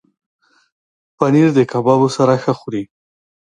پنېر د کبابو سره ښه خوري.